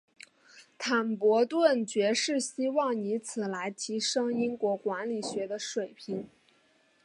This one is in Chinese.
坦伯顿爵士希望以此来提升英国管理学的水平。